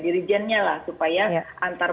dirijennya lah supaya antar